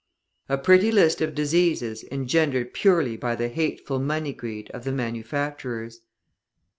A pretty list of diseases engendered purely by the hateful money greed of the manufacturers!